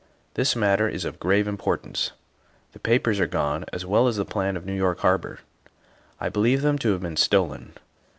This matter is of grave importance. The papers are gone as well as the plan of New York Har bor. I believe them to have been stolen.